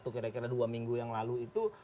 kira kira dua minggu yang lalu itu